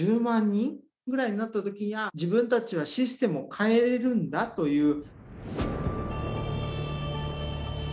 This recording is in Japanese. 人ぐらいになった時にああ自分たちはシステムを変えれるんだという。